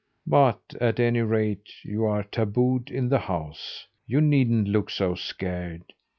But, at any rate, you are tabooed in the house. You needn't look so scared.